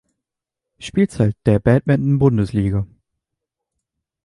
Spielzeit der Badminton-Bundesliga.